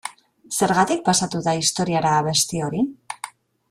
Zergatik pasatu da historiara abesti hori?